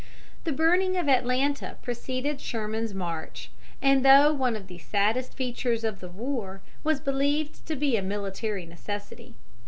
The burning of Atlanta preceded Sherman's march, and, though one of the saddest features of the war, was believed to be a military necessity.